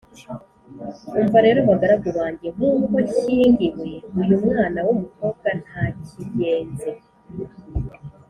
Umva rero bagaragu banjye, nk'uko nshyingiwe, uyu mwana w'umukobwa ntakigenze